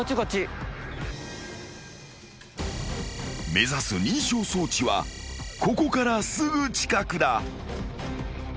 ［目指す認証装置はここからすぐ近くだ］